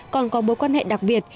còn có mối quan hệ đặc biệt